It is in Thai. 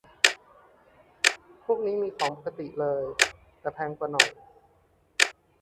พวกนี้มีของปกติเลย แต่แพงกว่าหน่อย